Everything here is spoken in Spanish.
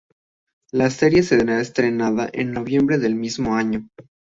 La serie será estrenada en noviembre del mismo año.